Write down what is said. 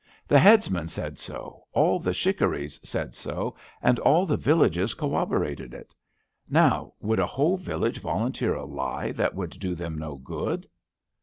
The headsman said SO; all the shikaries said so, and all the villages corroborated it. Now would a whole village volunteer a lie that would do them no good?